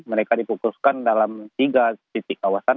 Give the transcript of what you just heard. mereka dipukuskan dalam tiga titik kawasan